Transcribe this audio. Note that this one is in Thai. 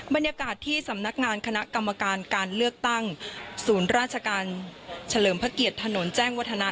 บรรยากาศที่สำนักงานคณะกรรมการการเลือกตั้งศูนย์ราชการเฉลิมพระเกียรติถนนแจ้งวัฒนะ